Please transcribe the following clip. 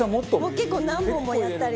結構何本もやったり。